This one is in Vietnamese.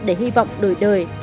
để hy vọng đổi đời